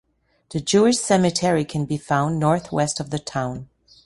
The Jewish cemetery can be found north-west of the town.